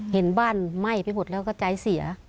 เห็นบ้านไหม้ไปหมดแล้วก็ใจเสีย